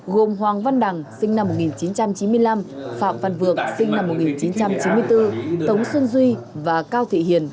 gồm hoàng văn đằng sinh năm một nghìn chín trăm chín mươi năm phạm văn vượng sinh năm một nghìn chín trăm chín mươi bốn tống xuân duy và cao thị hiền